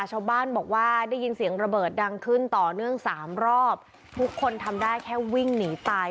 ชาวบ้านบอกว่าได้ยินเสียงระเบิดดังขึ้นต่อเนื่องสามรอบทุกคนทำได้แค่วิ่งหนีตาย